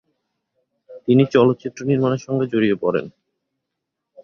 তিনি চলচ্চিত্র নির্মাণের সঙ্গে জড়িয়ে পড়েন।